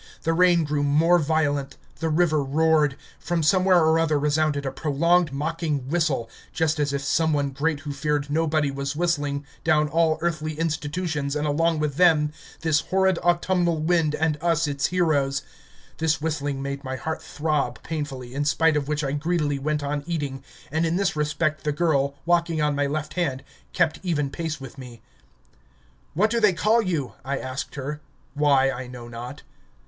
The rain grew more violent, the river roared; from somewhere or other resounded a prolonged mocking whistle just as if Someone great who feared nobody was whistling down all earthly institutions and along with them this horrid autumnal wind and us its heroes. This whistling made my heart throb painfully, in spite of which I greedily went on eating, and in this respect the girl, walking on my left hand, kept even pace with me. "What do they call you?" I asked her why I know not.